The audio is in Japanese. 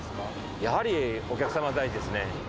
やはりお客様第一ですね。